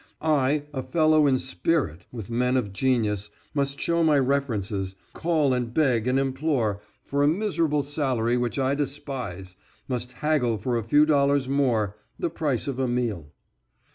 I, a fellow in spirit with men of genius, must show my references, call and beg and implore, for a miserable salary which I despise, must haggle for a few dollars more, the price of a meal.